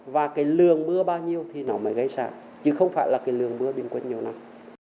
và cái lường mưa bao nhiêu thì nó mới gây xả chứ không phải là cái lường mưa bình quân nhiều năm